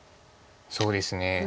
そうですね。